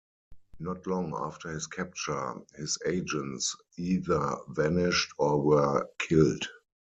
Not long after his capture, his agents either vanished or were killed.